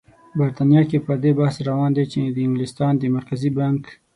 بریتانیا کې پر دې بحث روان دی چې د انګلستان د مرکزي بانک